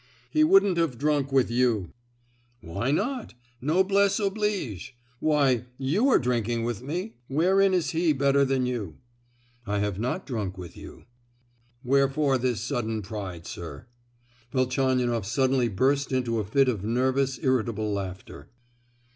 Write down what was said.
"He wouldn't have drunk with you!" "Why not? Noblesse oblige? Why, you are drinking with me. Wherein is he better than you?" "I have not drunk with you." "Wherefore this sudden pride, sir?" Velchaninoff suddenly burst into a fit of nervous, irritable laughter.